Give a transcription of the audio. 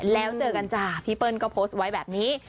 แล้วเจอกันจ้ะพี่เปิ้ลก็โพสต์ไว้แบบนี้